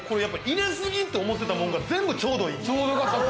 入れすぎって思ってたもんが全部ちょうどいい。